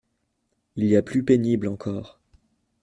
Il y a plus pénible encore.